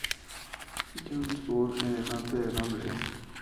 John's Wood, en el norte de Londres.